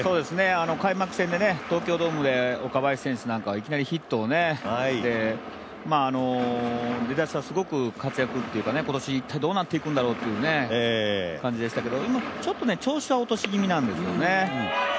開幕戦で東京ドームで岡林選手なんかはいきなりヒットを打ってね、出だしはすごく活躍して、今年一体どうなっていくのかっていう感じでしたけど今、ちょっと調子は落とし気味なんですよね。